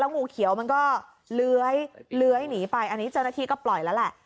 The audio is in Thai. แล้วงูเขียวมันก็เลื้อยเลื้อยหนีไปอันนี้เจอนาทีก็ปล่อยแล้วแหละ